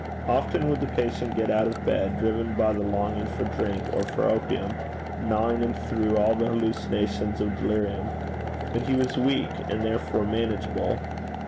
Often would the patient get out of bed, driven by the longing for drink or for opium, gnawing him through all the hallucinations of delirium; but he was weak, and therefore manageable.